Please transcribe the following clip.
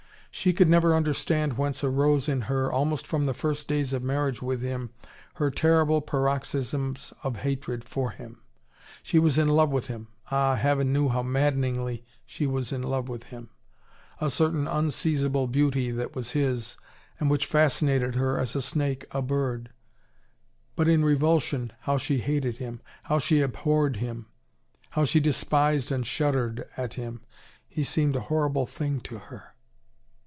She could never understand whence arose in her, almost from the first days of marriage with him, her terrible paroxysms of hatred for him. She was in love with him: ah, heaven, how maddeningly she was in love with him: a certain unseizable beauty that was his, and which fascinated her as a snake a bird. But in revulsion, how she hated him! How she abhorred him! How she despised and shuddered at him! He seemed a horrible thing to her.